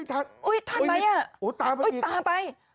ตลาดไป